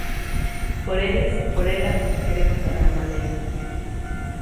Por eles, por ela, queremos tamén unha lei.